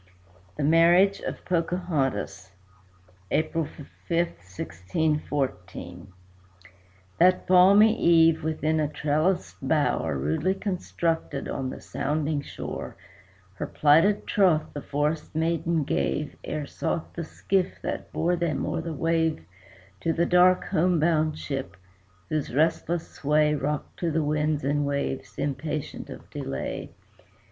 THE MARRIAGE OF POCAHONTAS [April 5, 1614] That balmy eve, within a trellised bower, Rudely constructed on the sounding shore, Her plighted troth the forest maiden gave Ere sought the skiff that bore them o'er the wave To the dark home bound ship, whose restless sway Rocked to the winds and waves, impatient of delay.